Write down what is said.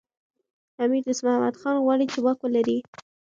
امیر دوست محمد خان غواړي چي واک ولري.